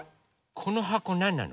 このはこなんなの？